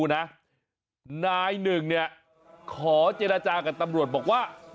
นายหนึ่งเนี่ยขอเจรจากับตำรวจบอกว่า